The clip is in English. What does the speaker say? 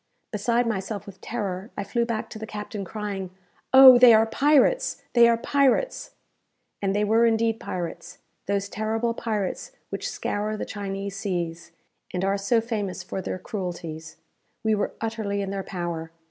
Beside myself with terror, I flew back to the captain, crying, "Oh, they are pirates! they are pirates!" And they were indeed pirates those terrible pirates which scour the Chinese seas, and are so famous for their cruelties. We were utterly in their power.